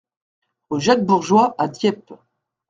Rue Jacques Bourgeois à Dieppe